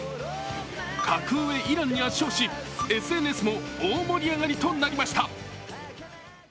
格上・イランに圧勝し、ＳＮＳも大盛り上がりとなりました。